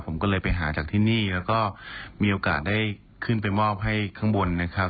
ผมก็เลยไปหาจากที่นี่แล้วก็มีโอกาสได้ขึ้นไปมอบให้ข้างบนนะครับ